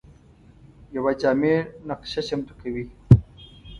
یوه جامع نقشه چمتو کوي.